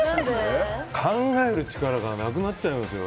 考える力がなくなっちゃいますよ。